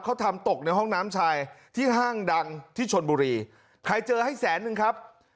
เขาทำตกในห้องน้ำชายที่ห้างดังที่ชนบุรีใครเจอให้แสนนึงครับ